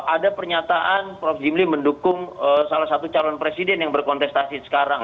ada pernyataan prof jimli mendukung salah satu calon presiden yang berkontestasi sekarang